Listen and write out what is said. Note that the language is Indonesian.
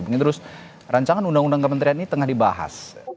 terus rancangan undang undang kementerian ini tengah dibahas